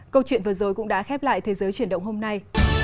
câu chuyện vừa rồi cũng đã khép lại thế giới chuyển động hôm nay